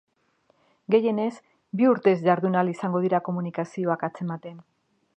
Gehienez, bi urtez jardun ahal izango dira komunikazioak atzematen.